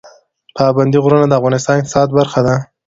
پابندی غرونه د افغانستان د اقتصاد برخه ده.